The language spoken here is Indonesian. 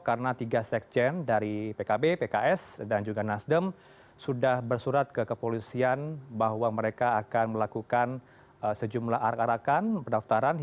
karena tiga sekjen dari pkb pks dan juga nasdem sudah bersurat ke kepolisian bahwa mereka akan melakukan sejumlah arak arakan pendaftaran